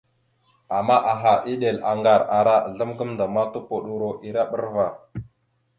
Ama aha, eɗel, aŋgar ara azzlam gamənda ma tupoɗoro ere bra ava.